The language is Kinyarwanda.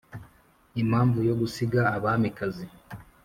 impamvu yo gusiga abamikazi